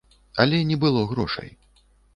Але не было грошай.